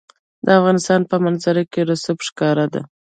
د افغانستان په منظره کې رسوب ښکاره ده.